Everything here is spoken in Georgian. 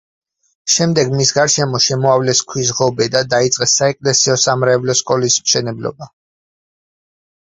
შემდეგ მის გარშემო შემოავლეს ქვის ღობე და დაიწყეს საეკლესიო-სამრევლო სკოლის მშენებლობა.